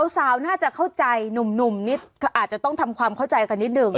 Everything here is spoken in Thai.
สาวน่าจะเข้าใจหนุ่มนิดอาจจะต้องทำความเข้าใจกันนิดนึง